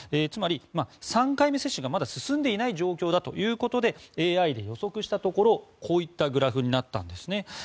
つまり３回目接種がまだ進んでいない状況だということでＡＩで予測したところこういったグラフになったんですね。